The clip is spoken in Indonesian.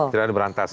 tidak ada di berantas